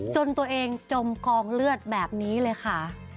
จนตัวเองจมกองเลือดแบบนี้เลยค่ะ